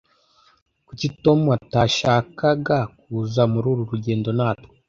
kuki tom atashakaga kuza muri uru rugendo natwe